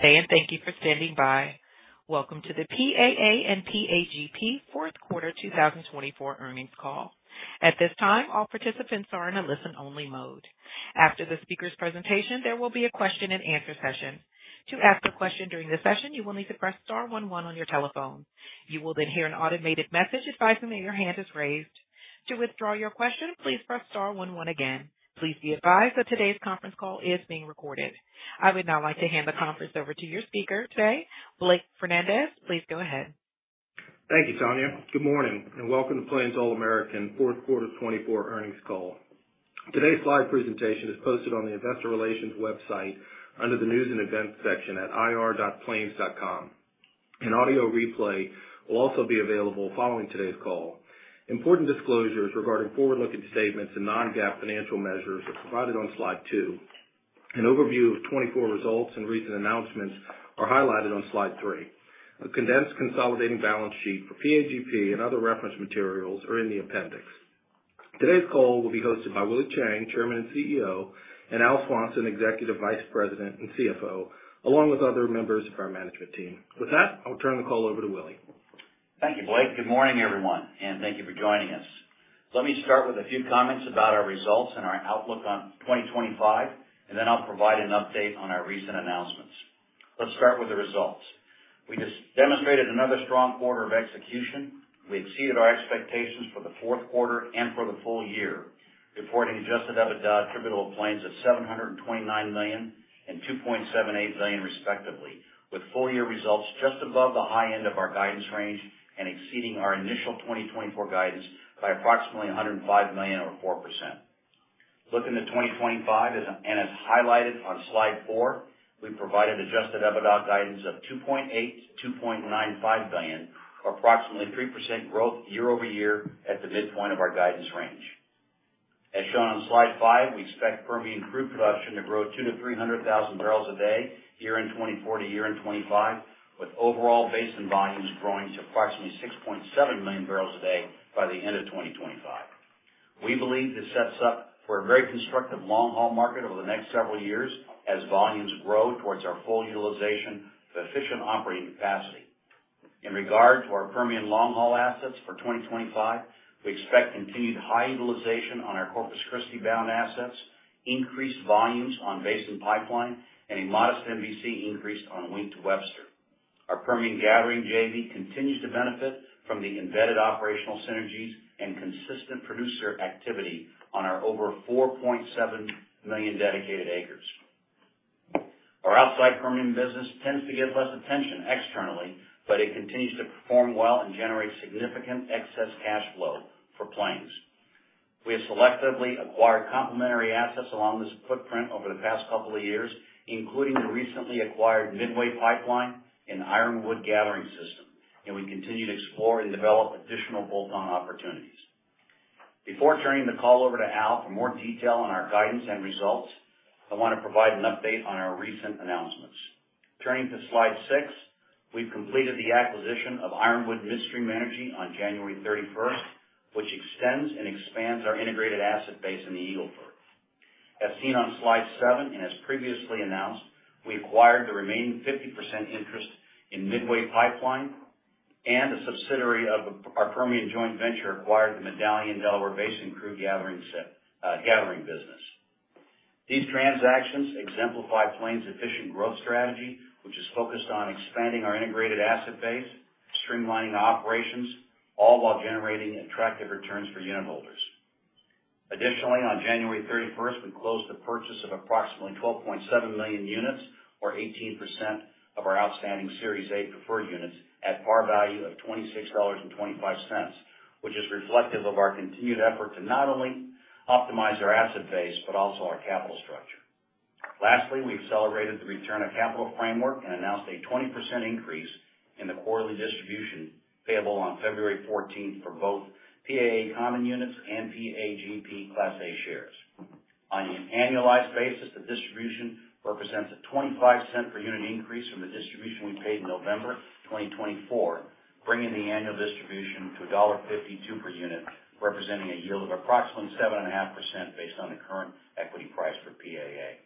Thank you for standing by. Welcome to the PAA and PAGP Fourth Quarter 2024 earnings call. At this time, all participants are in a listen-only mode. After the speaker's presentation, there will be a question-and-answer session. To ask a question during the session, you will need to press star one, one on your telephone. You will then hear an automated message advising that your hand is raised. To withdraw your question, please press star one, one again. Please be advised that today's conference call is being recorded. I would now like to hand the conference over to your speaker today, Blake Fernandez. Please go ahead. Thank you, Tanya. Good morning and welcome to Plains All American Fourth Quarter 2024 earnings call. Today's slide presentation is posted on the Investor Relations website under the news and events section at ir.plains.com. An audio replay will also be available following today's call. Important disclosures regarding forward-looking statements and non-GAAP financial measures are provided on slide two. An overview of 2024 results and recent announcements are highlighted on slide three. A condensed consolidating balance sheet for PAGP and other reference materials are in the appendix. Today's call will be hosted by Willie Chiang, Chairman and CEO, and Al Swanson, Executive Vice President and CFO, along with other members of our management team. With that, I'll turn the call over to Willie. Thank you, Blake. Good morning, everyone, and thank you for joining us. Let me start with a few comments about our results and our outlook on 2025, and then I'll provide an update on our recent announcements. Let's start with the results. We demonstrated another strong quarter of execution. We exceeded our expectations for the fourth quarter and for the full year, reporting adjusted EBITDA attributable to Plains at $729 million and $2.78 billion, respectively, with full-year results just above the high end of our guidance range and exceeding our initial 2024 guidance by approximately $105 million or four percent. Looking to 2025, and as highlighted on slide four, we provided adjusted EBITDA guidance of $2.8 billion-$2.95 billion, approximately 3% growth year-over-year at the midpoint of our guidance range. As shown on slide five, we expect Permian crude production to grow 200,000-300,000 barrels a day year end 2024 to year end 2025, with overall basin volumes growing to approximately 6.7 million barrels a day by the end of 2025. We believe this sets up for a very constructive long-haul market over the next several years as volumes grow towards our full utilization of efficient operating capacity. In regard to our Permian long-haul assets for 2025, we expect continued high utilization on our Corpus Christi bound assets, increased volumes on basin pipeline, and a modest NVC increase on Wheat to Webster. Our Permian gathering JV continues to benefit from the embedded operational synergies and consistent producer activity on our over 4.7 million dedicated acres. Our outside Permian business tends to get less attention externally, but it continues to perform well and generate significant excess cash flow for Plains. We have selectively acquired complementary assets along this footprint over the past couple of years, including the recently acquired Midway Pipeline and Ironwood Gathering System, and we continue to explore and develop additional bolt-on opportunities. Before turning the call over to Al for more detail on our guidance and results, I want to provide an update on our recent announcements. Turning to slide six, we've completed the acquisition of Ironwood Midstream on January 31, which extends and expands our integrated asset base in the Eagle Ford. As seen on slide seven and as previously announced, we acquired the remaining 50% interest in Midway Pipeline, and a subsidiary of our Permian joint venture acquired the Medallion Delaware Basin crude gathering business. These transactions exemplify Plains' efficient growth strategy, which is focused on expanding our integrated asset base, streamlining operations, all while generating attractive returns for unit holders. Additionally, on January 31, we closed the purchase of approximately 12.7 million units, or 18% of our outstanding Series A preferred units at par value of $26.25, which is reflective of our continued effort to not only optimize our asset base but also our capital structure. Lastly, we accelerated the return of capital framework and announced a 20% increase in the quarterly distribution payable on February 14 for both PAA common units and PAGP Class A shares. On an annualized basis, the distribution represents a $0.25 per unit increase from the distribution we paid in November 2024, bringing the annual distribution to $1.52 per unit, representing a yield of approximately 7.5% based on the current equity price for PAA.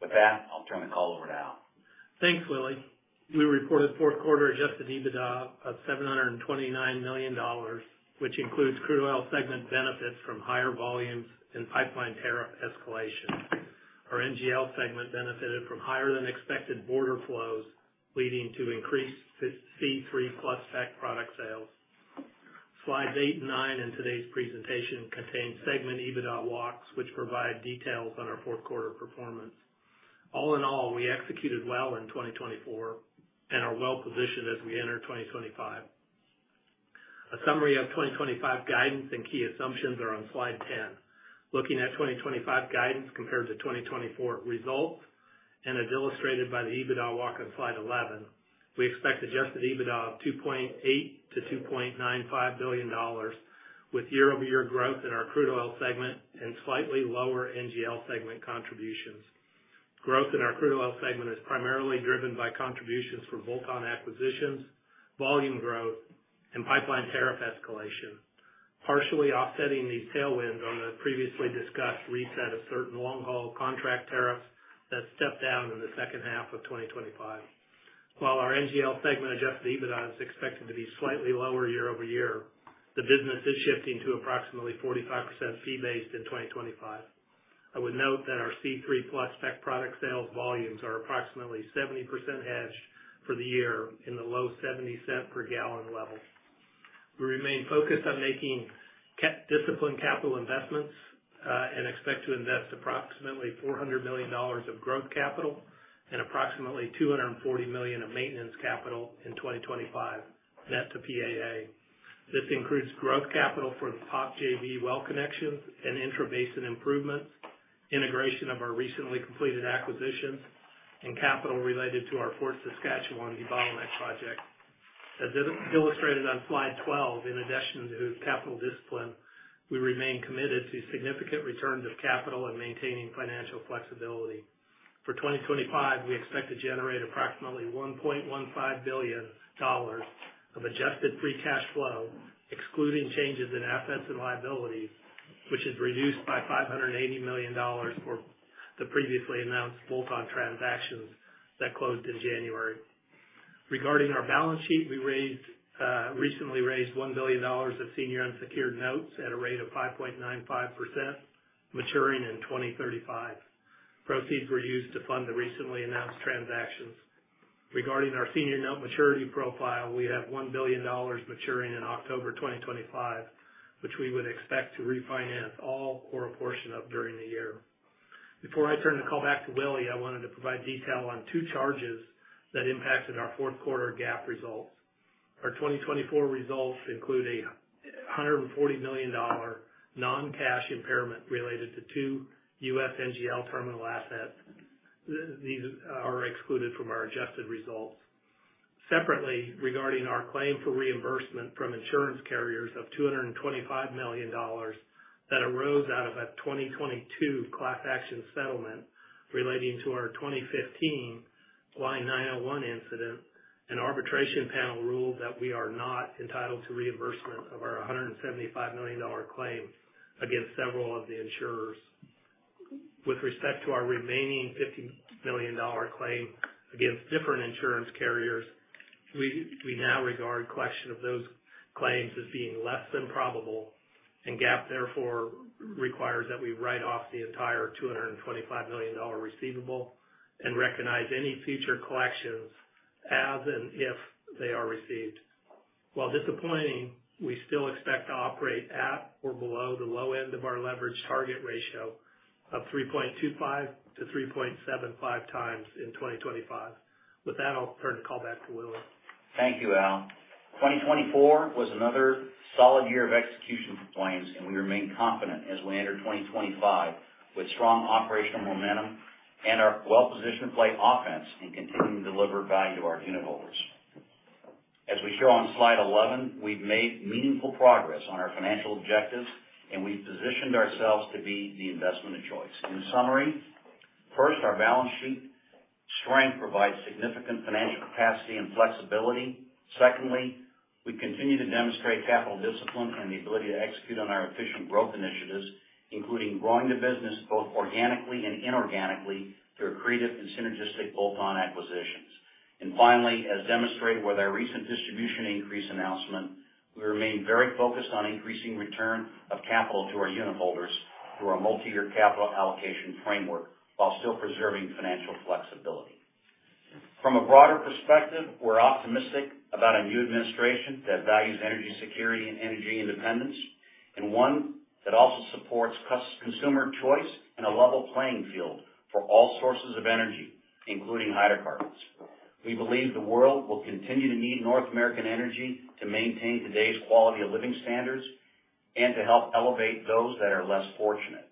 With that, I'll turn the call over to Al. Thanks, Willie. We reported fourth quarter adjusted EBITDA of $729 million, which includes crude oil segment benefits from higher volumes and pipeline tariff escalation. Our NGL segment benefited from higher than expected border flows, leading to increased C3 plus FACT product sales. Slides eight and nine in today's presentation contain segment EBITDA walks, which provide details on our fourth quarter performance. All in all, we executed well in 2024 and are well positioned as we enter 2025. A summary of 2025 guidance and key assumptions are on slide 10. Looking at 2025 guidance compared to 2024 results, and as illustrated by the EBITDA walk on slide 11, we expect adjusted EBITDA of $2.8-$2.95 billion, with year-over-year growth in our crude oil segment and slightly lower NGL segment contributions. Growth in our crude oil segment is primarily driven by contributions for bolt-on acquisitions, volume growth, and pipeline tariff escalation, partially offsetting these tailwinds on the previously discussed reset of certain long-haul contract tariffs that stepped down in the second half of 2025. While our NGL segment Adjusted EBITDA is expected to be slightly lower year-over-year, the business is shifting to approximately 45% fee-based in 2025. I would note that our C3 plus FACT product sales volumes are approximately 70% hedged for the year in the low $0.70 per gallon level. We remain focused on making disciplined capital investments and expect to invest approximately $400 million of growth capital and approximately $240 million of maintenance capital in 2025 net to PAA. This includes growth capital for the POC JV well connections and intra-base improvements, integration of our recently completed acquisitions, and capital related to our Fort Saskatchewan Hebond Project. As illustrated on slide 12, in addition to capital discipline, we remain committed to significant returns of capital and maintaining financial flexibility. For 2025, we expect to generate approximately $1.15 billion of adjusted free cash flow, excluding changes in assets and liabilities, which is reduced by $580 million for the previously announced bolt-on transactions that closed in January. Regarding our balance sheet, we recently raised $1 billion of senior unsecured notes at a rate of 5.95%, maturing in 2035. Proceeds were used to fund the recently announced transactions. Regarding our senior note maturity profile, we have $1 billion maturing in October 2025, which we would expect to refinance all or a portion of during the year. Before I turn the call back to Willie, I wanted to provide detail on two charges that impacted our fourth quarter GAAP results. Our 2024 results include a $140 million non-cash impairment related to two US NGL terminal assets. These are excluded from our adjusted results. Separately, regarding our claim for reimbursement from insurance carriers of $225 million that arose out of a 2022 class action settlement relating to our 2015 Y-901 incident, an arbitration panel ruled that we are not entitled to reimbursement of our $175 million claim against several of the insurers. With respect to our remaining $50 million claim against different insurance carriers, we now regard the collection of those claims as being less than probable, and GAAP therefore requires that we write off the entire $225 million receivable and recognize any future collections as and if they are received. While disappointing, we still expect to operate at or below the low end of our leverage target ratio of 3.25-3.75x in 2025. With that, I'll turn the call back to Willie. Thank you, Al. 2024 was another solid year of execution for Plains, and we remain confident as we enter 2025 with strong operational momentum and our well-positioned play offense and continuing to deliver value to our unit holders. As we show on slide 11, we've made meaningful progress on our financial objectives, and we've positioned ourselves to be the investment of choice. In summary, first, our balance sheet strength provides significant financial capacity and flexibility. Secondly, we continue to demonstrate capital discipline and the ability to execute on our efficient growth initiatives, including growing the business both organically and inorganically through creative and synergistic bolt-on acquisitions. Finally, as demonstrated with our recent distribution increase announcement, we remain very focused on increasing return of capital to our unit holders through our multi-year capital allocation framework while still preserving financial flexibility. From a broader perspective, we're optimistic about a new administration that values energy security and energy independence, and one that also supports consumer choice and a level playing field for all sources of energy, including hydrocarbons. We believe the world will continue to need North American energy to maintain today's quality of living standards and to help elevate those that are less fortunate.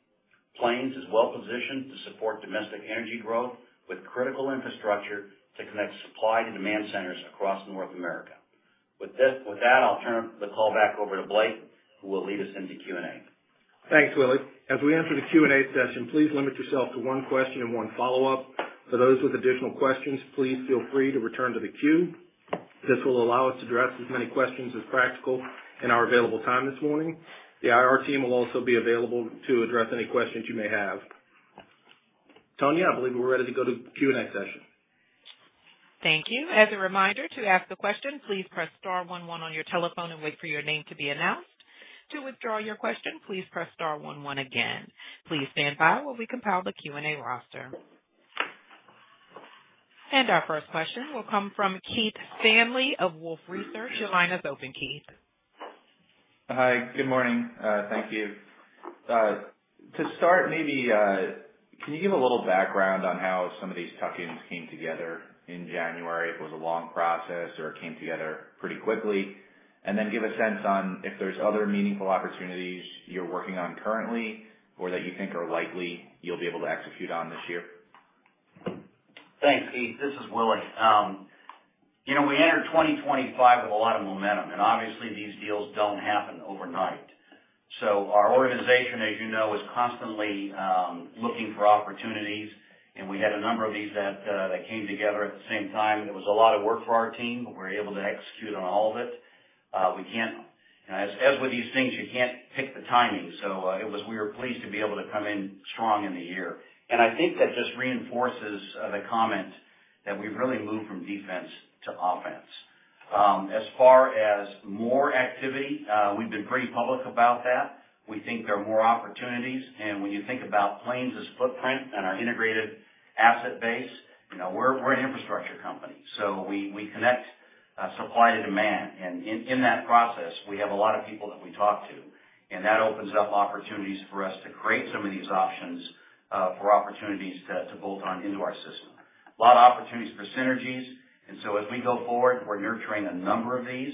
Plains is well positioned to support domestic energy growth with critical infrastructure to connect supply to demand centers across North America. With that, I'll turn the call back over to Blake, who will lead us into Q&A. Thanks, Willie. As we enter the Q&A session, please limit yourself to one question and one follow-up. For those with additional questions, please feel free to return to the queue. This will allow us to address as many questions as practical in our available time this morning. The IR team will also be available to address any questions you may have. Tonya, I believe we're ready to go to Q&A session. Thank you. As a reminder, to ask a question, please press star one, one on your telephone and wait for your name to be announced. To withdraw your question, please press star one, one again. Please stand by while we compile the Q&A roster. Our first question will come from Keith Stanley of Wolfe Research. Your line is open, Keith. Hi, good morning. Thank you. To start, maybe can you give a little background on how some of these tuck-ins came together in January? It was a long process, or it came together pretty quickly. Give a sense on if there's other meaningful opportunities you're working on currently or that you think are likely you'll be able to execute on this year. Thanks, Keith. This is Willie. We entered 2025 with a lot of momentum, and obviously, these deals do not happen overnight. Our organization, as you know, is constantly looking for opportunities, and we had a number of these that came together at the same time. It was a lot of work for our team, but we were able to execute on all of it. As with these things, you cannot pick the timing. We were pleased to be able to come in strong in the year. I think that just reinforces the comment that we have really moved from defense to offense. As far as more activity, we have been pretty public about that. We think there are more opportunities. When you think about Plains' footprint and our integrated asset base, we are an infrastructure company. We connect supply to demand. In that process, we have a lot of people that we talk to, and that opens up opportunities for us to create some of these options for opportunities to bolt on into our system. A lot of opportunities for synergies. As we go forward, we're nurturing a number of these.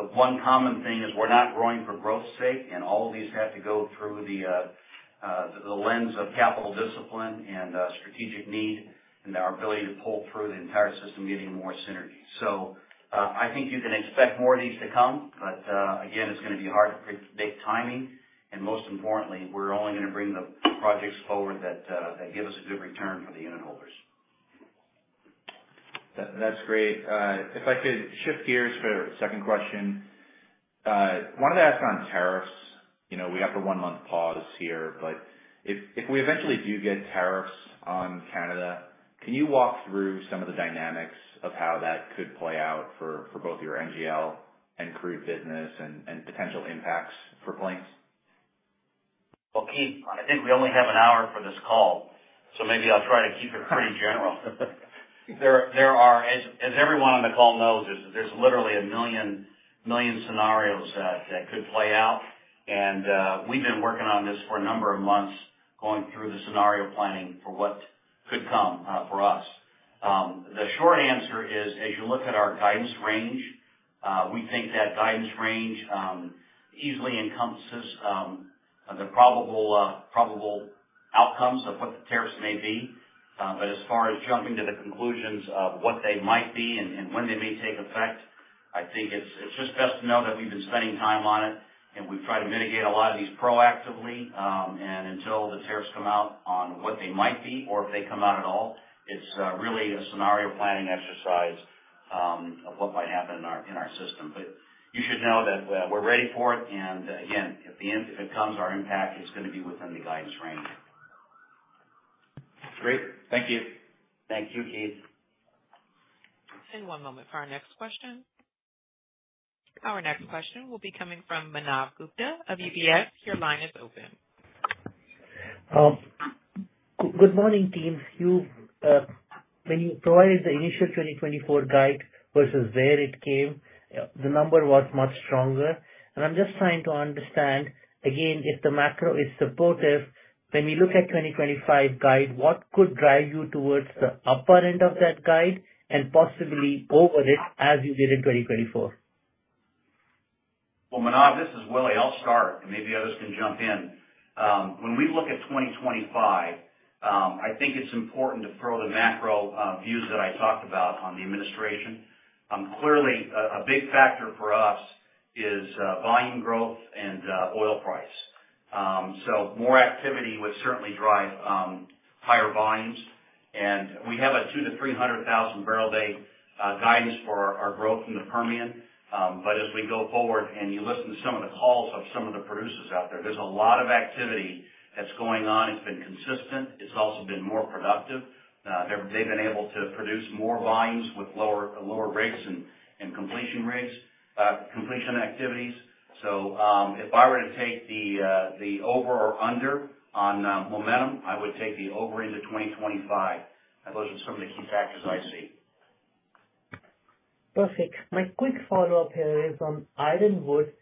The one common thing is we're not growing for growth's sake, and all of these have to go through the lens of capital discipline and strategic need and our ability to pull through the entire system, getting more synergy. I think you can expect more of these to come, but again, it's going to be hard to predict timing. Most importantly, we're only going to bring the projects forward that give us a good return for the unit holders. That's great. If I could shift gears for a second question, I wanted to ask on tariffs. We have the one-month pause here, but if we eventually do get tariffs on Canada, can you walk through some of the dynamics of how that could play out for both your NGL and crude business and potential impacts for Plains? Keith, I think we only have an hour for this call, so maybe I'll try to keep it pretty general. As everyone on the call knows, there's literally a million scenarios that could play out. We've been working on this for a number of months, going through the scenario planning for what could come for us. The short answer is, as you look at our guidance range, we think that guidance range easily encompasses the probable outcomes of what the tariffs may be. As far as jumping to the conclusions of what they might be and when they may take effect, I think it's just best to know that we've been spending time on it, and we've tried to mitigate a lot of these proactively. Until the tariffs come out on what they might be, or if they come out at all, it's really a scenario planning exercise of what might happen in our system. You should know that we're ready for it. Again, at the end, if it comes, our impact is going to be within the guidance range. Great. Thank you. Thank you, Keith. Let's take one moment for our next question. Our next question will be coming from Manav Gupta of UBS. Your line is open. Good morning, team. When you provided the initial 2024 guide versus where it came, the number was much stronger. I'm just trying to understand, again, if the macro is supportive, when we look at the 2025 guide, what could drive you towards the upper end of that guide and possibly over it as you did in 2024? Manav, this is Willie. I'll start, and maybe others can jump in. When we look at 2025, I think it's important to throw the macro views that I talked about on the administration. Clearly, a big factor for us is volume growth and oil price. More activity would certainly drive higher volumes. We have a 200,000-300,000 barrel day guidance for our growth in the Permian. As we go forward and you listen to some of the calls of some of the producers out there, there's a lot of activity that's going on. It's been consistent. It's also been more productive. They've been able to produce more volumes with lower rigs and completion activities. If I were to take the over or under on momentum, I would take the over into 2025. Those are some of the key factors I see. Perfect. My quick follow-up here is on Ironwood.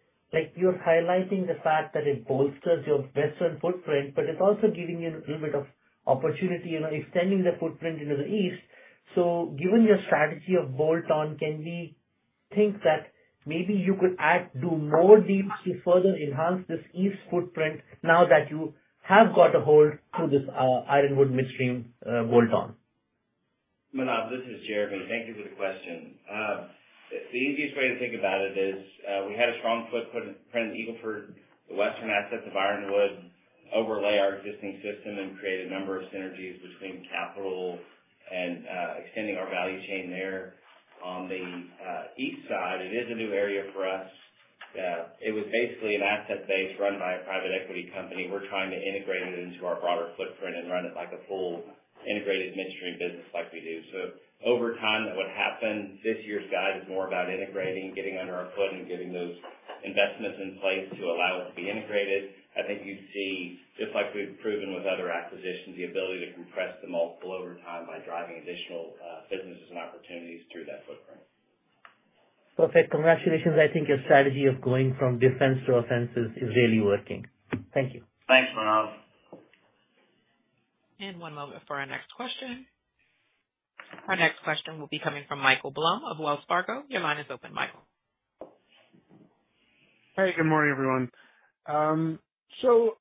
You're highlighting the fact that it bolsters your western footprint, but it's also giving you a little bit of opportunity in extending the footprint into the east. Given your strategy of bolt-on, can we think that maybe you could do more deep to further enhance this east footprint now that you have got a hold through this Ironwood Midstream bolt-on? Manav, this is Jeremy. Thank you for the question. The easiest way to think about it is we had a strong footprint in Eagle Ford. The western assets of Ironwood overlay our existing system and create a number of synergies between capital and extending our value chain there. On the east side, it is a new area for us. It was basically an asset base run by a private equity company. We're trying to integrate it into our broader footprint and run it like a full integrated midstream business like we do. Over time, what happened this year's guide is more about integrating, getting under our foot, and getting those investments in place to allow it to be integrated. I think you'd see, just like we've proven with other acquisitions, the ability to compress the multiple over time by driving additional businesses and opportunities through that footprint. Perfect. Congratulations. I think your strategy of going from defense to offense is really working. Thank you. Thanks, Manav. One moment for our next question. Our next question will be coming from Michael Blum of Wells Fargo. Your line is open, Michael. Hey, good morning, everyone. I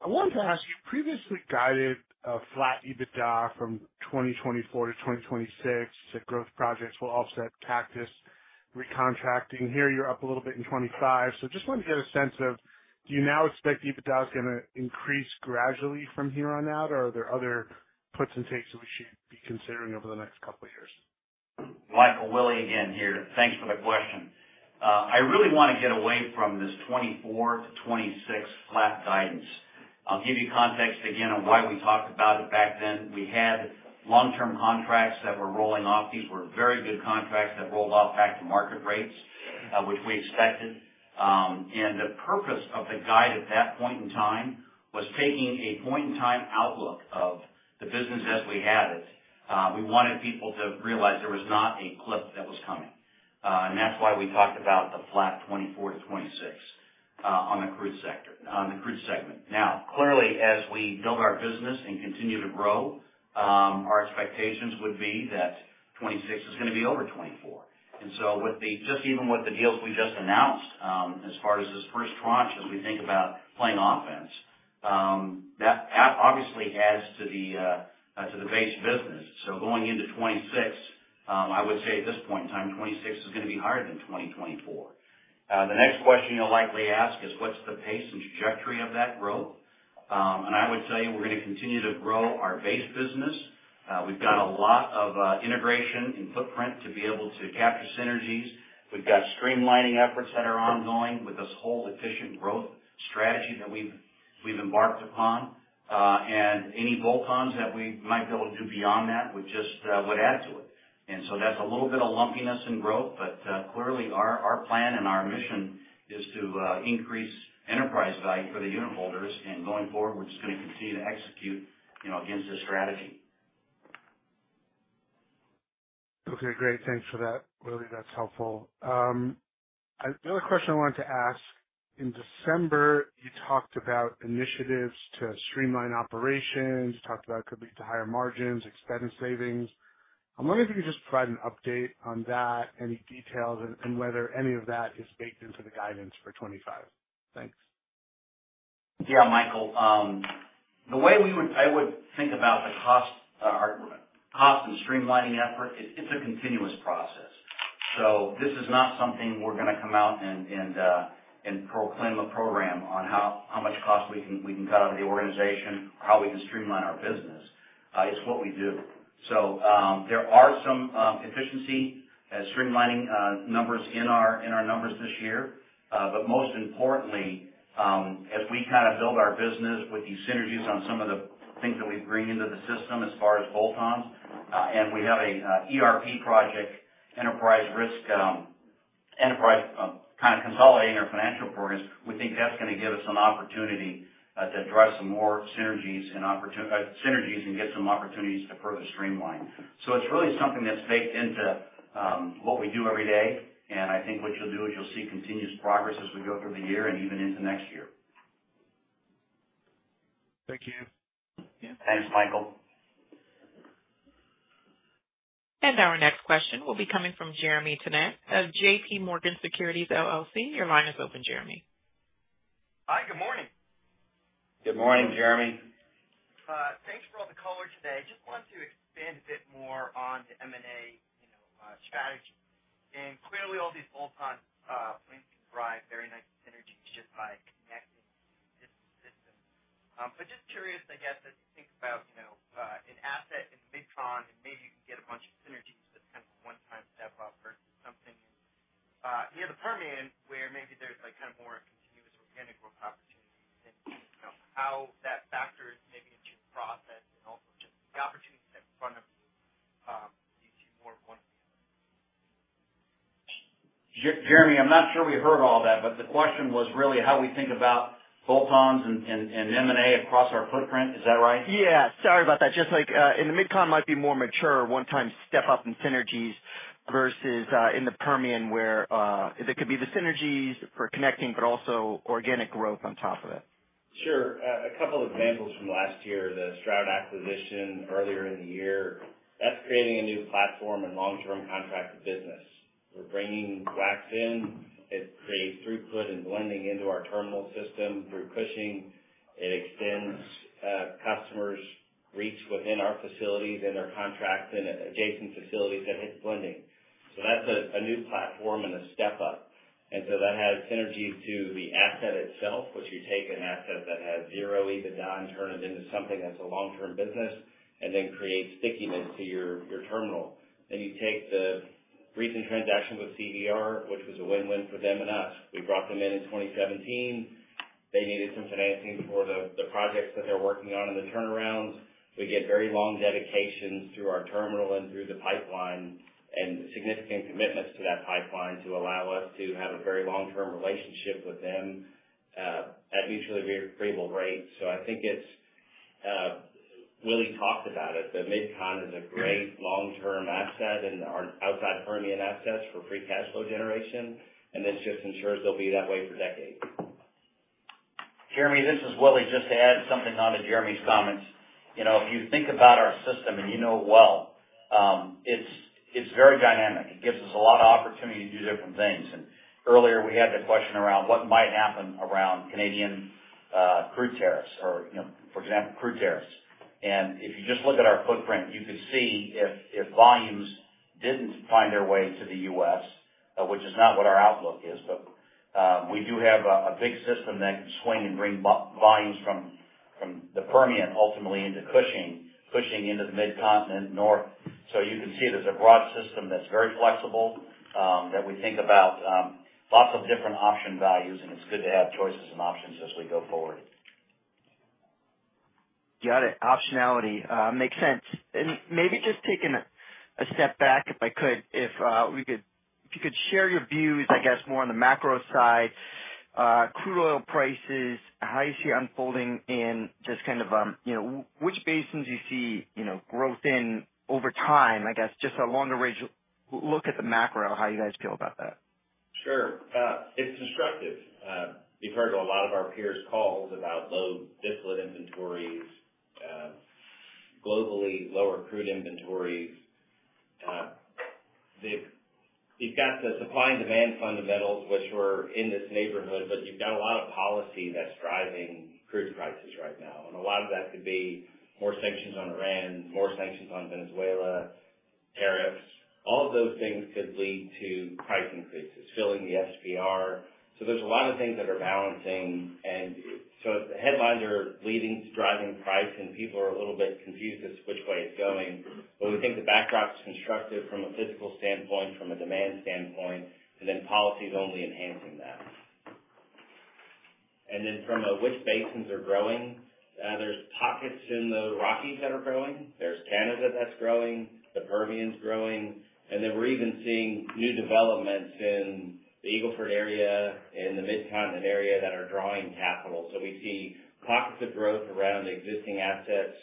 wanted to ask you, you previously guided a flat EBITDA from 2024-2026, that growth projects will offset Cactus recontracting. Here, you're up a little bit in 2025. I just wanted to get a sense of, do you now expect EBITDA is going to increase gradually from here on out, or are there other puts and takes that we should be considering over the next couple of years? Michael20 Willie again here. Thanks for the question. I really want to get away from this 2024-2026 flat guidance. I'll give you context again of why we talked about it back then. We had long-term contracts that were rolling off. These were very good contracts that rolled off back to market rates, which we expected. The purpose of the guide at that point in time was taking a point-in-time outlook of the business as we had it. We wanted people to realize there was not a clip that was coming. That is why we talked about the flat 2024-2026 on the crude sector, on the crude segment. Now, clearly, as we build our business and continue to grow, our expectations would be that 2026 is going to be over 2024. Just even with the deals we just announced, as far as this first tranche, as we think about playing offense, that obviously adds to the base business. Going into 2026, I would say at this point in time, 2026 is going to be higher than 2024. The next question you'll likely ask is, what's the pace and trajectory of that growth? I would tell you, we're going to continue to grow our base business. We've got a lot of integration and footprint to be able to capture synergies. We've got streamlining efforts that are ongoing with this whole efficient growth strategy that we've embarked upon. Any bolt-ons that we might be able to do beyond that would just add to it. That is a little bit of lumpiness in growth, but clearly, our plan and our mission is to increase enterprise value for the unit holders. Going forward, we are just going to continue to execute against this strategy. Okay, great. Thanks for that, Willie. That's helpful. The other question I wanted to ask. In December, you talked about initiatives to streamline operations. You talked about it could lead to higher margins, expense savings. I'm wondering if you could just provide an update on that, any details, and whether any of that is baked into the guidance for 2025. Thanks. Yeah, Michael. The way I would think about the cost and streamlining effort, it's a continuous process. This is not something we're going to come out and proclaim a program on how much cost we can cut out of the organization or how we can streamline our business. It's what we do. There are some efficiency and streamlining numbers in our numbers this year. Most importantly, as we kind of build our business with these synergies on some of the things that we bring into the system as far as bolt-ons, and we have an ERP project, enterprise risk, enterprise kind of consolidating our financial programs, we think that's going to give us an opportunity to drive some more synergies and get some opportunities to further streamline. It's really something that's baked into what we do every day. I think what you'll do is you'll see continuous progress as we go through the year and even into next year. Thank you. Thanks, Michael. Our next question will be coming from Jeremy Tonet of J.P. Morgan Securities LLC. Your line is open, Jeremy. Hi, good morning. Good morning, Jeremy. Thanks for all the color today. Just wanted to expand a bit more on the M&A strategy. Clearly, all these bolt-ons, Plains can drive very nice synergies just by connecting different systems. Just curious, I guess, as you think about an asset in Mid-Continent, and maybe you can get a bunch of synergies, that is kind of a one-time step up versus something near the Permian, where maybe there are more continuous organic growth opportunities. How that factors maybe into your process and also just the opportunities in front of you lead to more of one or the other? Jeremy, I'm not sure we heard all that, but the question was really how we think about bolt-ons and M&A across our footprint. Is that right? Yeah. Sorry about that. Just like in the Mid-Continent, might be more mature one-time step-up in synergies versus in the Permian, where there could be the synergies for connecting, but also organic growth on top of it. Sure. A couple of examples from last year, the Stroud acquisition earlier in the year. That is creating a new platform and long-term contracted business. We are bringing wax in. It creates throughput and blending into our terminal system through Cushing. It extends customers' reach within our facilities and their contracts and adjacent facilities that hit blending. That is a new platform and a step-up. That has synergies to the asset itself, which is you take an asset that has zero EBITDA and turn it into something that is a long-term business and then creates stickiness to your terminal. You take the recent transaction with CVR, which was a win-win for them and us. We brought them in in 2017. They needed some financing for the projects that they are working on and the turnarounds. We get very long dedications through our terminal and through the pipeline and significant commitments to that pipeline to allow us to have a very long-term relationship with them at mutually agreeable rates. I think as Willie talked about it, the Midway Pipeline is a great long-term asset and our outside Permian assets for free cash flow generation. This just ensures they'll be that way for decades. Jeremy, this is Willie just to add something on to Jeremy's comments. If you think about our system and you know it well, it's very dynamic. It gives us a lot of opportunity to do different things. Earlier, we had the question around what might happen around Canadian crude tariffs or, for example, crude tariffs. If you just look at our footprint, you could see if volumes did not find their way to the U.S., which is not what our outlook is. We do have a big system that can swing and bring volumes from the Permian ultimately into Cushing, pushing into the Mid-Continent north. You can see it as a broad system that is very flexible that we think about lots of different option values. It is good to have choices and options as we go forward. Got it. Optionality makes sense. Maybe just taking a step back, if I could, if you could share your views, I guess, more on the macro side, crude oil prices, how you see it unfolding in just kind of which basins you see growth in over time, I guess, just a longer range look at the macro, how you guys feel about that. Sure. It's constructive. We've heard a lot of our peers' calls about low disparate inventories globally, lower crude inventories. You've got the supply and demand fundamentals, which were in this neighborhood, but you've got a lot of policy that's driving crude prices right now. A lot of that could be more sanctions on Iran, more sanctions on Venezuela, tariffs. All of those things could lead to price increases, filling the SPR. There are a lot of things that are balancing. If the headlines are leading to driving price and people are a little bit confused as to which way it's going, we think the backdrop's constructive from a physical standpoint, from a demand standpoint, and then policy is only enhancing that. From which basins are growing, there are pockets in the Rockies that are growing. There's Canada that's growing. The Permian's growing. We're even seeing new developments in the Eagle Ford area and the Mid-Continent area that are drawing capital. We see pockets of growth around existing assets.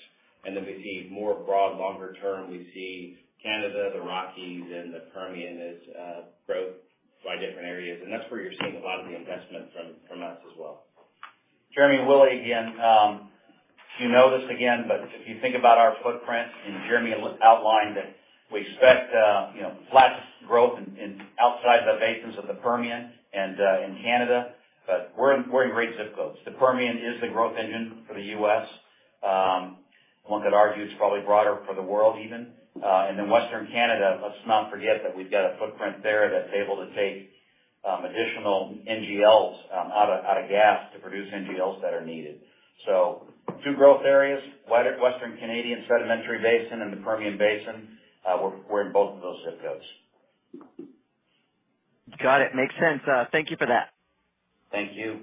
We see more broad, longer term. We see Canada, the Rockies, and the Permian as growth by different areas. That's where you're seeing a lot of the investment from us as well. Jeremy, Willie, again, you know this again, but if you think about our footprint, and Jeremy outlined that we expect flat growth outside the basins of the Permian and in Canada, but we're in great zip codes. The Permian is the growth engine for the U.S., one could argue it's probably broader for the world even. Western Canada, let's not forget that we've got a footprint there that's able to take additional NGLs out of gas to produce NGLs that are needed. Two growth areas, Western Canadian Sedimentary Basin and the Permian Basin. We're in both of those zip codes. Got it. Makes sense. Thank you for that. Thank you.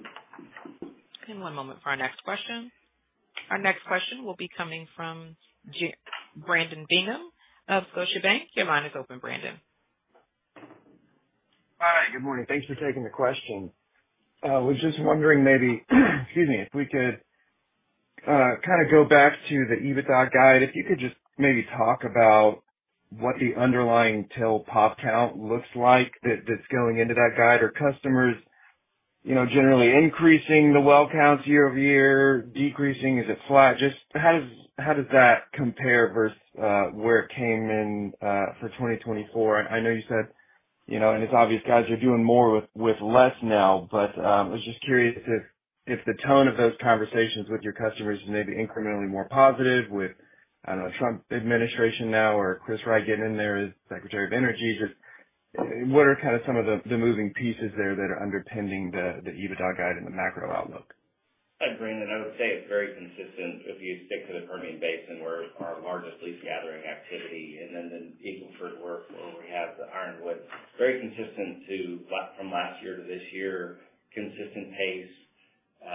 One moment for our next question. Our next question will be coming from Brandon Bingham of Scotiabank. Your line is open, Brandon. Hi, good morning. Thanks for taking the question. I was just wondering maybe, excuse me, if we could kind of go back to the EBITDA guide, if you could just maybe talk about what the underlying till pop count looks like that's going into that guide or customers generally increasing the well counts year-over-year, decreasing, is it flat? Just how does that compare versus where it came in for 2024? I know you said, and it's obvious, guys are doing more with less now, but I was just curious if the tone of those conversations with your customers is maybe incrementally more positive with, I don't know, Trump administration now or Chris Wright getting in there as Secretary of Energy. Just what are kind of some of the moving pieces there that are underpinning the EBITDA guide and the macro outlook? I agree. I would say it's very consistent if you stick to the Permian Basin, where our largest lease gathering activity, and then the Eagle Ford where we have the Ironwood, very consistent from last year to this year, consistent pace.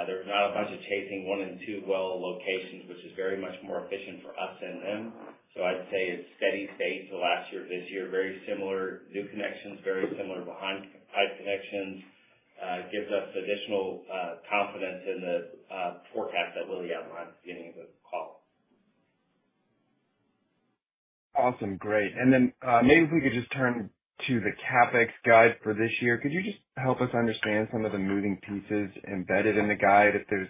There's not a bunch of chasing one and two well locations, which is very much more efficient for us than them. I'd say it's steady state to last year to this year, very similar new connections, very similar behind pipe connections, gives us additional confidence in the forecast that Willie outlined at the beginning of the call. Awesome. Great. Maybe if we could just turn to the CapEx guide for this year, could you just help us understand some of the moving pieces embedded in the guide? If there's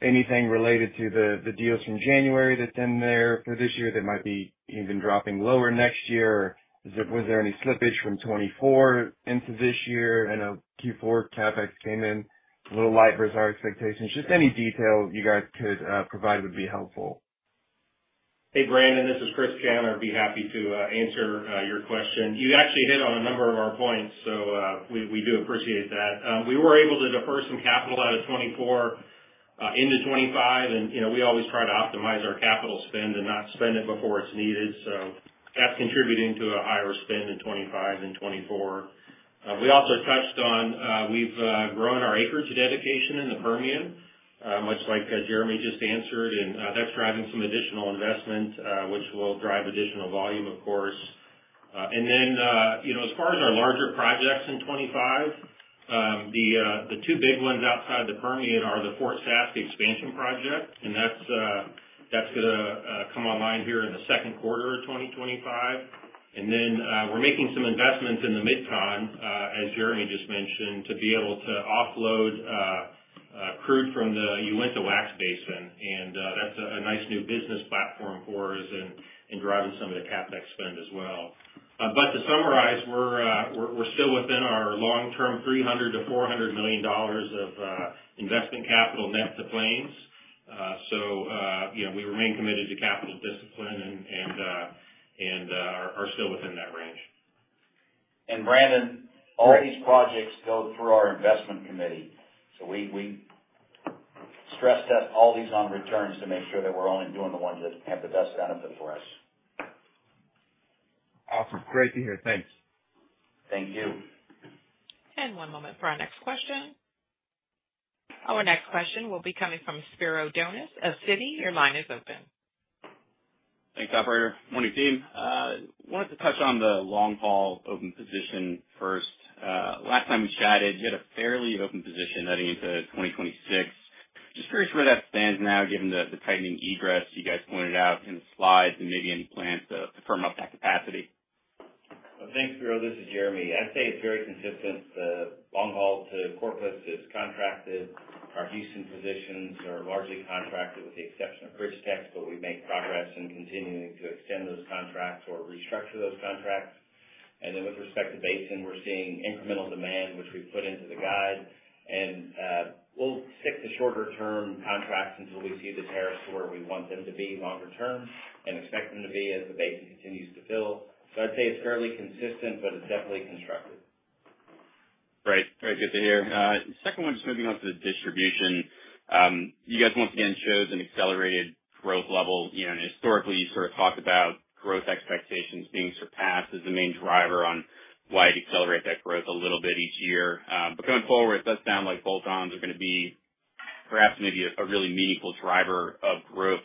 anything related to the deals from January that's in there for this year that might be even dropping lower next year, or was there any slippage from 2024 into this year? I know Q4 CapEx came in a little light versus our expectations. Just any detail you guys could provide would be helpful. Hey, Brandon, this is Chris. I'd be happy to answer your question. You actually hit on a number of our points, so we do appreciate that. We were able to defer some capital out of 2024 into 2025, and we always try to optimize our capital spend and not spend it before it's needed. That's contributing to a higher spend in 2025 and 2024. We also touched on we've grown our acreage dedication in the Permian, much like Jeremy just answered, and that's driving some additional investment, which will drive additional volume, of course. As far as our larger projects in 2025, the two big ones outside the Permian are the Fort Saskatchewan expansion project, and that's going to come online here in the second quarter of 2025. We're making some investments in the Mid-Continent, as Jeremy just mentioned, to be able to offload crude from the Uinta Waxy Basin. That's a nice new business platform for us and driving some of the CapEx spend as well. To summarize, we're still within our long-term $300 million-$400 million of investment capital net to Plains. We remain committed to capital discipline and are still within that range. Brandon, all these projects go through our investment committee. We stress test all these on returns to make sure that we're only doing the ones that have the best benefit for us. Awesome. Great to hear. Thanks. Thank you. One moment for our next question. Our next question will be coming from Spiro Dounis at Citi. Your line is open. Thanks, operator. Morning, team. I wanted to touch on the long-haul open position first. Last time we chatted, you had a fairly open position heading into 2026. Just curious where that stands now, given the tightening egress you guys pointed out in the slides and maybe any plans to firm up that capacity. Thanks, Spiro. This is Jeremy. I'd say it's very consistent. The long-haul to Corpus is contracted. Our Houston positions are largely contracted with the exception of BridgeTex, but we make progress in continuing to extend those contracts or restructure those contracts. With respect to Basin, we're seeing incremental demand, which we've put into the guide. We'll stick to shorter-term contracts until we see the tariffs to where we want them to be longer term and expect them to be as the basin continues to fill. I'd say it's fairly consistent, but it's definitely constructive. Great. Very good to hear. Second one, just moving on to the distribution. You guys once again showed an accelerated growth level. Historically, you sort of talked about growth expectations being surpassed as the main driver on why you'd accelerate that growth a little bit each year. Going forward, it does sound like bolt-ons are going to be perhaps maybe a really meaningful driver of growth.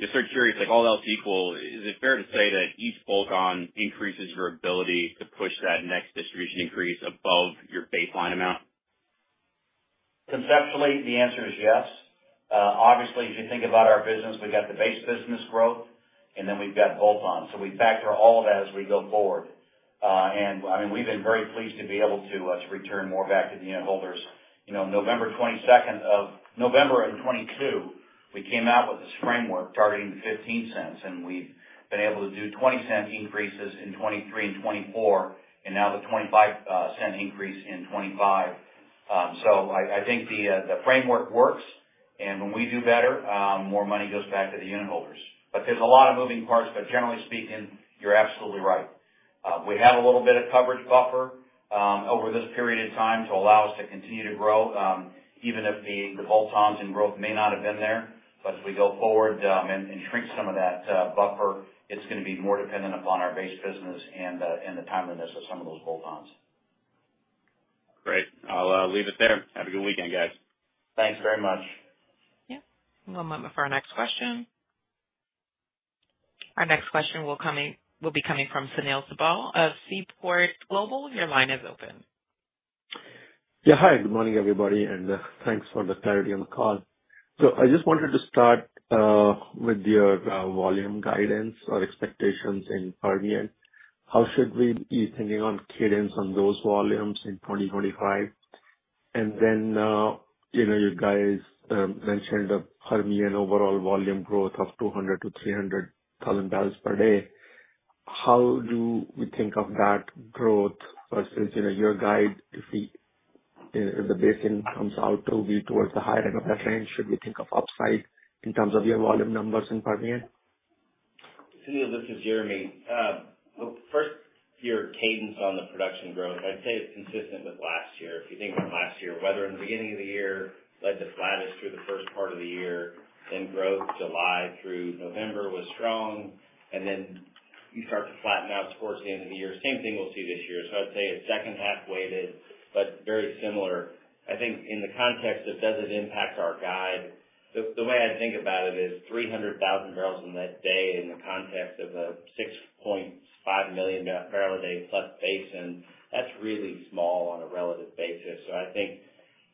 Just sort of curious, like all else equal, is it fair to say that each bolt-on increases your ability to push that next distribution increase above your baseline amount? Conceptually, the answer is yes. Obviously, if you think about our business, we've got the base business growth, and then we've got bolt-ons. We factor all of that as we go forward. I mean, we've been very pleased to be able to return more back to the unit holders. November 22nd of November and 2022, we came out with this framework targeting the 15 cents, and we've been able to do 20 cent increases in 2023 and 2024, and now the 25 cent increase in 2025. I think the framework works, and when we do better, more money goes back to the unit holders. There is a lot of moving parts, but generally speaking, you're absolutely right. We have a little bit of coverage buffer over this period of time to allow us to continue to grow, even if the bolt-ons and growth may not have been there. As we go forward and shrink some of that buffer, it's going to be more dependent upon our base business and the timeliness of some of those bolt-ons. Great. I'll leave it there. Have a good weekend, guys. Thanks very much. Yep. One moment for our next question. Our next question will be coming from Sunil Sibal of Seaport Global. Your line is open. Yeah. Hi, good morning, everybody, and thanks for the clarity on the call. I just wanted to start with your volume guidance or expectations in Permian. How should we be thinking on cadence on those volumes in 2025? You guys mentioned the Permian overall volume growth of 200,000-300,000 barrels per day. How do we think of that growth versus your guide? If the basin comes out to be towards the higher end of that range, should we think of upside in terms of your volume numbers in Permian? Sunil, this is Jeremy. First, your cadence on the production growth, I'd say it's consistent with last year. If you think about last year, weather in the beginning of the year led to flattish through the first part of the year, then growth July through November was strong, and you start to flatten out towards the end of the year. Same thing we'll see this year. I'd say it's second half weighted, but very similar. I think in the context of does it impact our guide, the way I think about it is 300,000 barrels in that day in the context of a 6.5 million barrel a day plus basin, that's really small on a relative basis. I think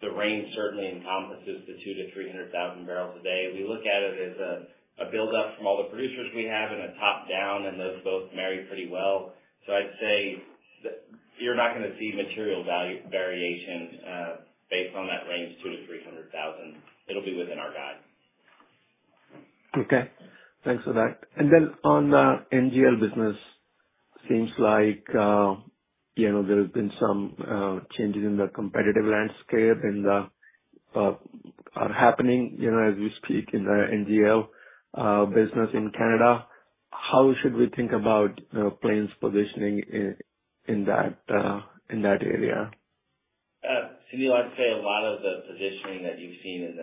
the range certainly encompasses the 2-300,000 barrels a day. We look at it as a build-up from all the producers we have and a top-down, and those both marry pretty well. I'd say you're not going to see material variations based on that range, 200,000-300,000. It'll be within our guide. Okay. Thanks for that. On the NGL business, seems like there have been some changes in the competitive landscape and are happening as we speak in the NGL business in Canada. How should we think about Plains positioning in that area? Sunil, I'd say a lot of the positioning that you've seen in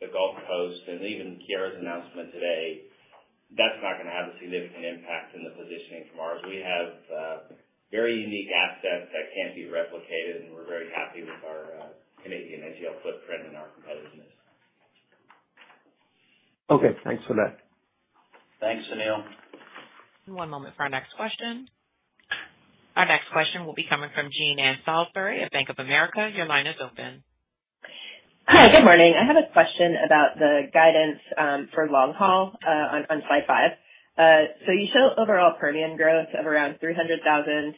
the Gulf Coast and even Keyera's announcement today, that's not going to have a significant impact in the positioning from ours. We have very unique assets that can't be replicated, and we're very happy with our Canadian NGL footprint and our competitiveness. Okay. Thanks for that. Thanks, Sunil. One moment for our next question. Our next question will be coming from Jean Ann Salisbury of Bank of America. Your line is open. Hi, good morning. I have a question about the guidance for long-haul on slide five. You show overall Permian growth of around 300,000,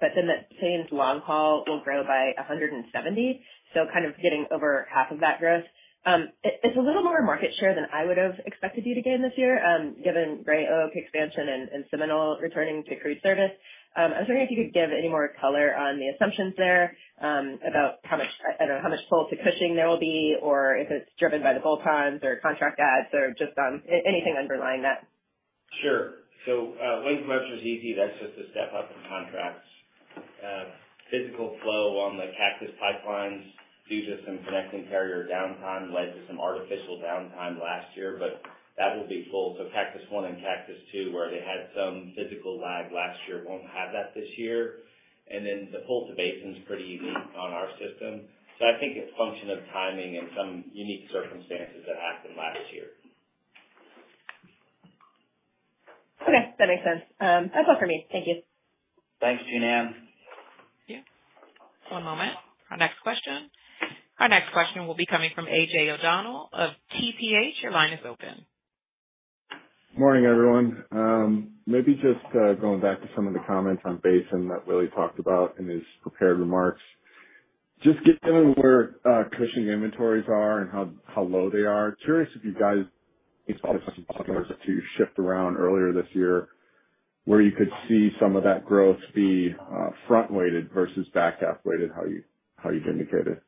but then that same long-haul will grow by 170, so kind of getting over half of that growth. It's a little more market share than I would have expected you to gain this year, given Gray Oak expansion and Seminole returning to crude service. I was wondering if you could give any more color on the assumptions there about how much pull to Cushing there will be, or if it's driven by the bolt-ons or contract adds or just anything underlying that. Sure. Length measure is easy. That's just a step up in contracts. Physical flow on the Cactus pipelines due to some connecting carrier downtime led to some artificial downtime last year, but that will be full. Cactus I and Cactus II, where they had some physical lag last year, will not have that this year. The pull to basin is pretty unique on our system. I think it's a function of timing and some unique circumstances that happened last year. Okay. That makes sense. That's all for me. Thank you. Thanks, Jean Ann. Yeah. One moment. Our next question. Our next question will be coming from AJ O'Donnell of TPH. Your line is open. Morning, everyone. Maybe just going back to some of the comments on basin that Willie talked about in his prepared remarks. Just given where Cushing inventories are and how low they are, curious if you guys made some thought to shift around earlier this year where you could see some of that growth be front-weighted versus back-half-weighted, how you've indicated.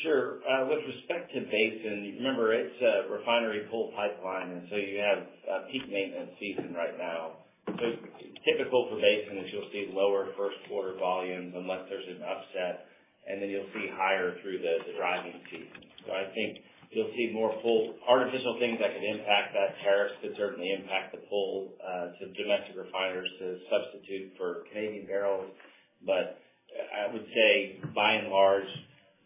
Sure. With respect to Basin, remember it's a refinery pull pipeline, and you have peak maintenance season right now. Typical for Basin is you'll see lower first-quarter volumes unless there's an upset, and then you'll see higher through the driving season. I think you'll see more artificial things that could impact that. Tariffs could certainly impact the pull to domestic refiners to substitute for Canadian barrels. I would say, by and large,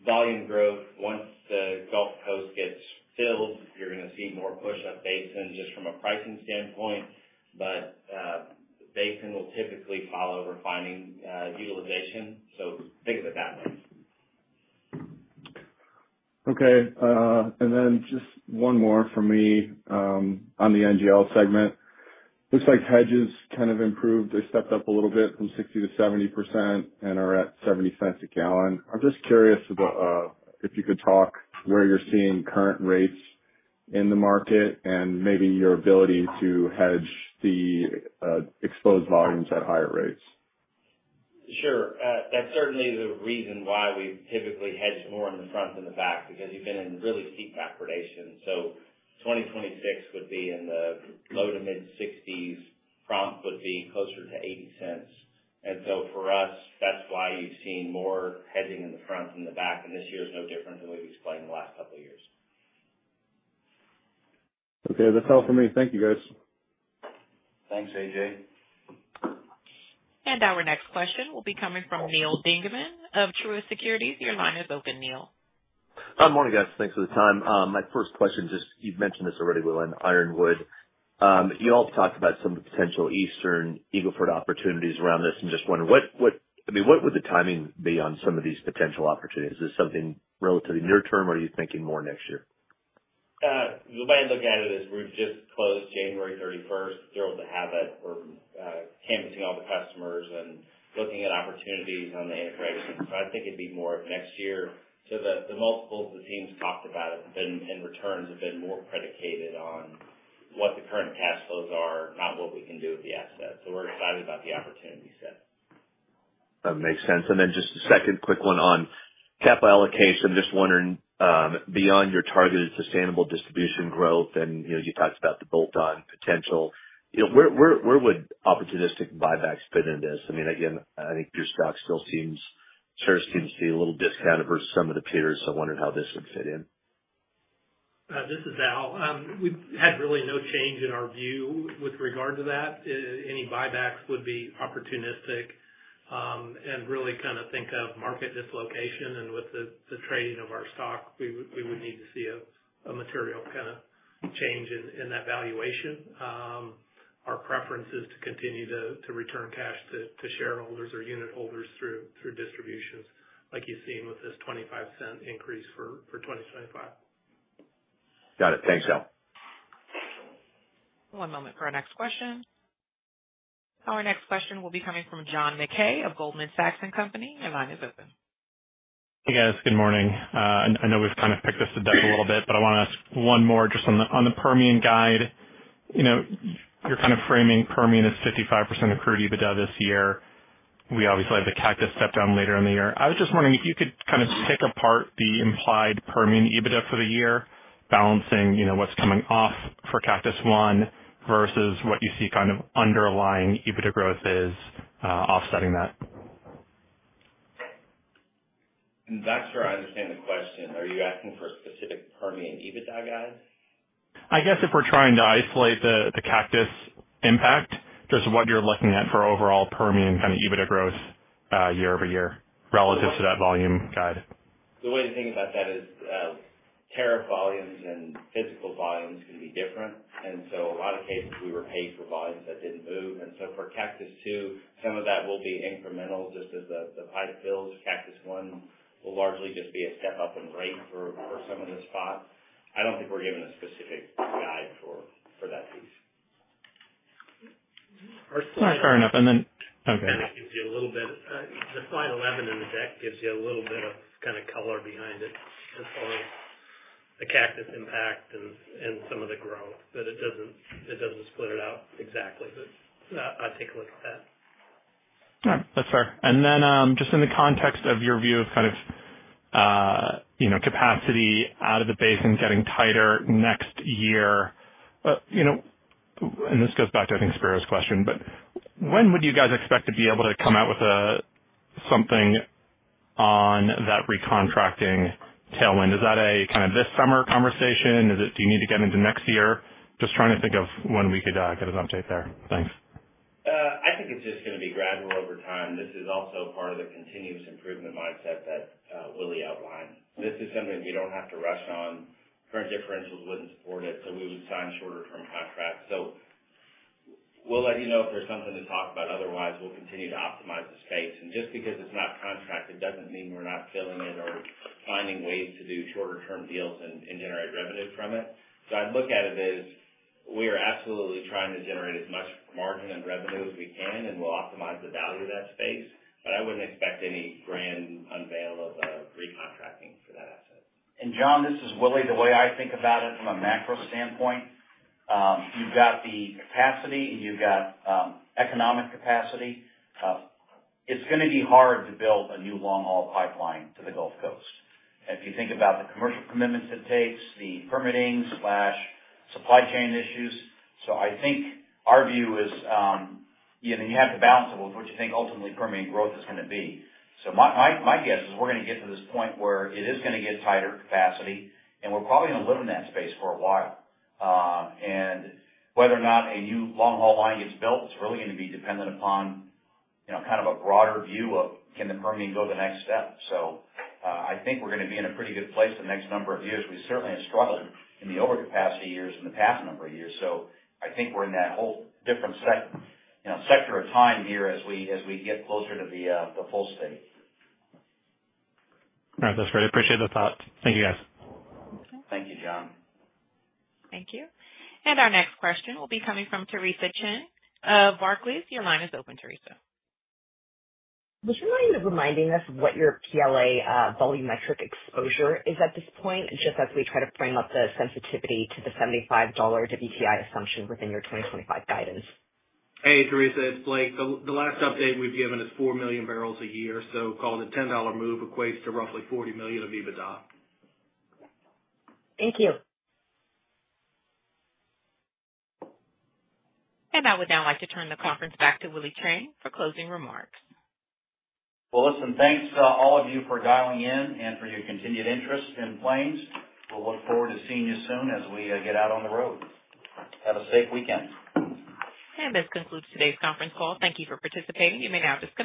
volume growth, once the Gulf Coast gets filled, you're going to see more push-up Basin just from a pricing standpoint, but Basin will typically follow refining utilization. Think of it that way. Okay. And then just one more for me on the NGL segment. Looks like hedges kind of improved. They stepped up a little bit from 60%-70% and are at $0.70 a gallon. I'm just curious if you could talk where you're seeing current rates in the market and maybe your ability to hedge the exposed volumes at higher rates. Sure. That's certainly the reason why we typically hedge more in the front than the back because you've been in really steep backwardation. 2026 would be in the low to mid-60s. Prompt would be closer to $0.8. And for us, that's why you've seen more hedging in the front than the back. This year is no different than we've explained the last couple of years. Okay. That's all for me. Thank you, guys. Thanks, AJ. Our next question will be coming from Neal Dingmann of Truist Securities. Your line is open, Neal. Good morning, guys. Thanks for the time. My first question, just you've mentioned this already, Willie, on Ironwood. You all talked about some potential Eastern Eagle Ford opportunities around this and just wondered, I mean, what would the timing be on some of these potential opportunities? Is this something relatively near term, or are you thinking more next year? The way I look at it is we've just closed January 31, thrilled to have it. We're canvassing all the customers and looking at opportunities on the integration. I think it'd be more of next year. The multiples the teams talked about have been and returns have been more predicated on what the current cash flows are, not what we can do with the assets. We're excited about the opportunity set. That makes sense. Just a second quick one on capital allocation. Just wondering, beyond your targeted sustainable distribution growth, and you talked about the bolt-on potential, where would opportunistic buybacks fit into this? I mean, again, I think your stock still seems shares seem to see a little discounted versus some of the peers, so I wondered how this would fit in. This is Al. We've had really no change in our view with regard to that. Any buybacks would be opportunistic and really kind of think of market dislocation. With the trading of our stock, we would need to see a material kind of change in that valuation. Our preference is to continue to return cash to shareholders or unit holders through distributions, like you've seen with this $0.25 increase for 2025. Got it. Thanks, Al. One moment for our next question. Our next question will be coming from John Mackay of Goldman Sachs & Company. Your line is open. Hey, guys. Good morning. I know we've kind of picked this to death a little bit, but I want to ask one more just on the Permian guide. You're kind of framing Permian as 55% of crude EBITDA this year. We obviously have the Cactus step down later in the year. I was just wondering if you could kind of pick apart the implied Permian EBITDA for the year, balancing what's coming off for Cactus I versus what you see kind of underlying EBITDA growth is, offsetting that. That's where I understand the question. Are you asking for a specific Permian EBITDA guide? I guess if we're trying to isolate the Cactus impact versus what you're looking at for overall Permian kind of EBITDA growth year-over-year relative to that volume guide. The way to think about that is tariff volumes and physical volumes can be different. In a lot of cases, we were paid for volumes that did not move. For Cactus II, some of that will be incremental just as the pipe fills. Cactus One will largely just be a step up in rate for some of the spots. I do not think we are giving a specific guide for that piece. Sorry to interrupt. Okay. That gives you a little bit, the slide 11 in the deck gives you a little bit of kind of color behind it as far as the Cactus impact and some of the growth, but it doesn't split it out exactly. I'll take a look at that. All right. That's fair. In the context of your view of kind of capacity out of the basin getting tighter next year, and this goes back to, I think, Spiro's question, when would you guys expect to be able to come out with something on that recontracting tailwind? Is that a kind of this summer conversation? Do you need to get into next year? Just trying to think of when we could get an update there. Thanks. I think it's just going to be gradual over time. This is also part of the continuous improvement mindset that Willie outlined. This is something we don't have to rush on. Current differentials wouldn't support it, so we would sign shorter-term contracts. We'll let you know if there's something to talk about. Otherwise, we'll continue to optimize the space. Just because it's not contracted doesn't mean we're not filling it or finding ways to do shorter-term deals and generate revenue from it. I'd look at it as we are absolutely trying to generate as much margin and revenue as we can, and we'll optimize the value of that space, but I wouldn't expect any grand unveil of recontracting for that asset. John, this is Willie. The way I think about it from a macro standpoint, you've got the capacity and you've got economic capacity. It's going to be hard to build a new long-haul pipeline to the Gulf Coast. If you think about the commercial commitments it takes, the permitting/supply chain issues, I think our view is you have to balance it with what you think ultimately Permian growth is going to be. My guess is we're going to get to this point where it is going to get tighter capacity, and we're probably going to live in that space for a while. Whether or not a new long-haul line gets built, it's really going to be dependent upon kind of a broader view of can the Permian go the next step. I think we're going to be in a pretty good place the next number of years. We certainly have struggled in the overcapacity years in the past number of years. I think we're in that whole different sector of time here as we get closer to the full state. All right. That's great. I appreciate the thought. Thank you, guys. Thank you, John. Thank you. Our next question will be coming from Theresa Chen of Barclays. Your line is open, Theresa. Would you mind reminding us of what your PLA volumetric exposure is at this point, just as we try to frame up the sensitivity to the $75 WTI assumption within your 2025 guidance? Hey, Theresa. It's Blake. The last update we've given is 4 million barrels a year, so call it a $10 move equates to roughly $40 million of EBITDA. Thank you. I would now like to turn the conference back to Willie Chiang for closing remarks. Thanks to all of you for dialing in and for your continued interest in Plains. We'll look forward to seeing you soon as we get out on the road. Have a safe weekend. This concludes today's conference call. Thank you for participating. You may now disconnect.